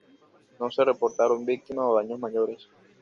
No se reportaron víctimas o daños mayores.